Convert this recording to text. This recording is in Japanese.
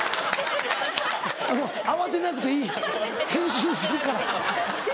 慌てなくていい編集するから。